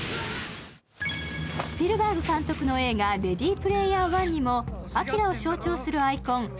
スピルバーグ監督の映画「レディ・プレイヤー１」にもＡＫＩＲＡを象徴するアイコン